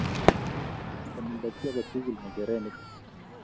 much komilda chi age tugul ng'echere nito